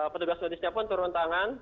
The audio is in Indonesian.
petugas medisnya pun turun tangan